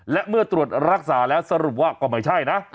และเมื่อตรวจรักษาแล้วสรุปว่าก็ไม่ใช่นะ